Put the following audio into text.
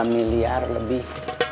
dua miliar lebih